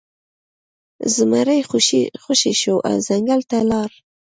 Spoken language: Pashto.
زمری خوشې شو او ځنګل ته لاړ.